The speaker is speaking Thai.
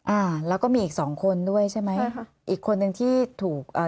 อ่าแล้วก็มีอีกสองคนด้วยใช่ไหมใช่ค่ะอีกคนนึงที่ถูกอ่า